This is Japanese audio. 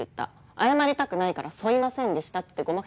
謝りたくないから「そいませんでした」って言ってごま○△□×☆